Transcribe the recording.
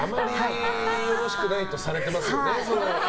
あまりよろしくないとされますよね。